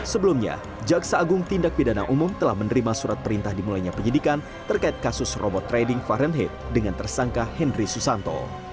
sebelumnya jaksa agung tindak pidana umum telah menerima surat perintah dimulainya penyidikan terkait kasus robot trading fahrenheit dengan tersangka henry susanto